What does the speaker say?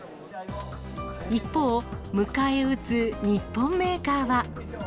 一方、迎え撃つ日本メーカーは。